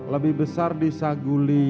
lebih besar di saghuling